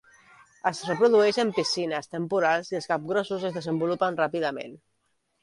Es reprodueix en piscines temporals i els capgrossos es desenvolupen ràpidament.